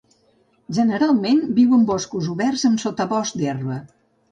Generalment viu en boscos oberts amb sotabosc d'herba.